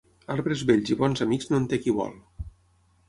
Arbres vells i bons amics no en té qui vol.